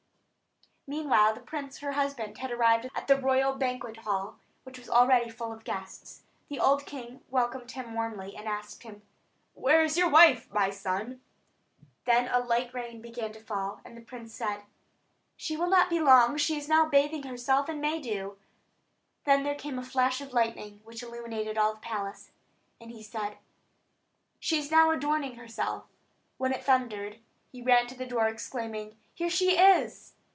Meanwhile the prince, her husband, had arrived at the royal banquet hall, which was already full of guests. The old king welcomed him warmly, and asked him: "Where is your wife, my son?" Then a light rain began to fall, and the prince said: "She will not be long; she is now bathing herself in May dew." Then came a flash of lightning, which illuminated all the palace, and he said: "She is now adorning herself." But when it thundered, he ran to the door exclaiming: "Here she is!"